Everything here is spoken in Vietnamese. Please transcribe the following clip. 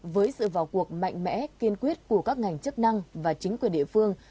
với sự vào cuộc mạnh mẽ kiên quyết của các ngành chức năng và chính quyền địa phương